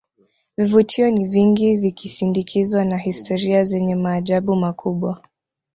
vivutio ni vingi vikisindikizwa na historia zenye maajabu makubwa